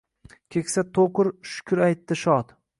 Keksa Tokur shukr aytdi shod